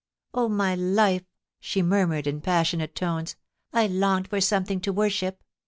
* Oh my life !* she murmured in passionate tones. * I longed for something to worship.